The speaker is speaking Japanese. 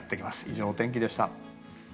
以上、お天気でした。